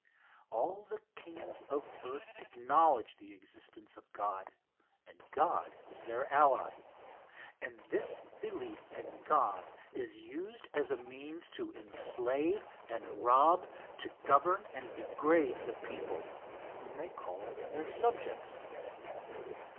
All the kings of the earth acknowledge the existence of God, and God is their ally; and this belief in God is used as a means to enslave and rob, to govern and degrade the people whom they call their subjects.